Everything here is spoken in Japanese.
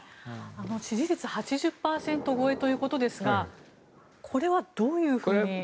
支持率８０％超えということですがこれはどういうふうに。